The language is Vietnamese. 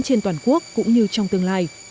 các doanh nghiệp cũng như trong tương lai